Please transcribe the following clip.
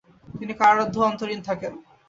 তিনি কারারুদ্ধ ও অন্তরীণ থাকেন।